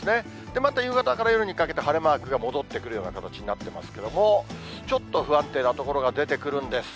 また夕方から夜にかけて、晴れマークが戻ってくるような形になってますけれども、ちょっと不安定な所が出てくるんです。